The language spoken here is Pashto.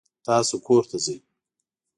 تاسې کور ته ځئ.